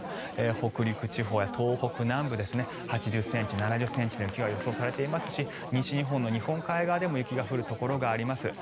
北陸地方や東北南部８０ｃｍ、７０ｃｍの雪が予想されていますし西日本の日本海側でも雪が降るところがあります。